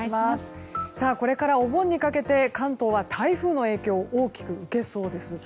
これからお盆にかけて関東は台風の影響を大きく受けそうです。